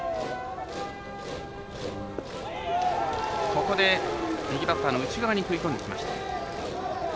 ここで右バッターの内側に食い込んできました。